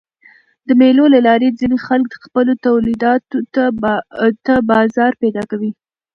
د مېلو له لاري ځيني خلک خپلو تولیداتو ته بازار پیدا کوي.